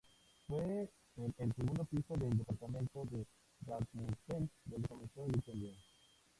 Fue en el segundo piso del departamento de Rasmussen donde comenzó el incendio.